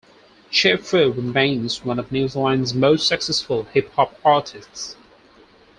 Che Fu remains one of New Zealand's most successful hip hop artists.